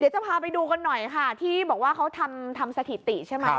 จะพาไปดูกันหน่อยค่ะที่บอกว่าเขาทำสถิติใช่ไหม